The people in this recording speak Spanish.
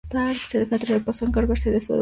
Catedral, pasó a encargarse de su educación.